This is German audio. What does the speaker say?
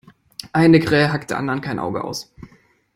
Eine Krähe hackt der anderen kein Auge aus.